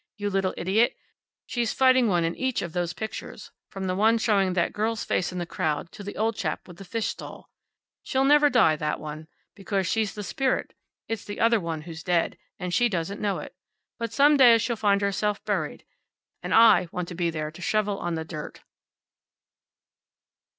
You little idiot, she's fighting one in each of those pictures, from the one showing that girl's face in the crowd, to the old chap with the fish stall. She'll never die that one. Because she's the spirit. It's the other one who's dead and she doesn't know it. But some day she'll find herself buried. And I want to be there to shovel on the dirt."